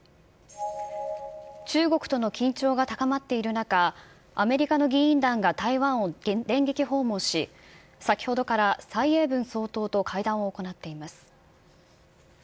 中国との緊張が高まっている中、アメリカの議員団が台湾を電撃訪問し、先ほどから蔡英文総統と会談を行っています。